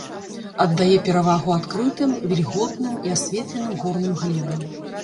Аддае перавагу адкрытым, вільготным і асветленым горным глебам.